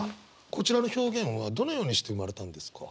こちらの表現はどのようにして生まれたんですか？